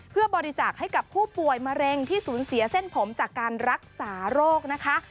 เพื่อบริจาคให้กับผู้ป่วยมะเร็งที่สูญเสียเส้นผมจากการรักษาโรคนะคะ